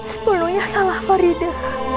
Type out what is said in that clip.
sepuluhnya salah farida